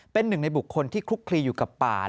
เป็นหนึ่งในบุคคลที่คลุกคลีอยู่กับป่า